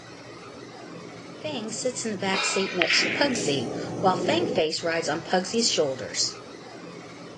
Fangs sits in the backseat next to Puggsy, while Fangface rides on Puggsy's shoulders.